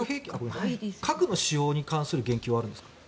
核の使用に関する言及はあるんですか？